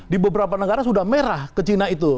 di beberapa negara sudah merah ke china itu